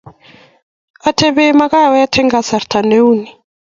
Atepe makawet eng kasarta ne uu ni